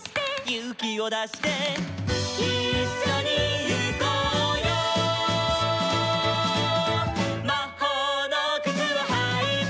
「ゆうきをだして」「いっしょにゆこうよ」「まほうのくつをはいて」